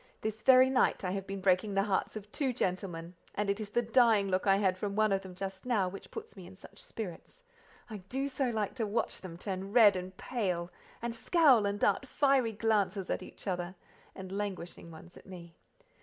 This very night I have been breaking the hearts of two gentlemen, and it is the dying look I had from one of them just now, which puts me in such spirits. I do so like to watch them turn red and pale, and scowl and dart fiery glances at each other, and languishing ones at me.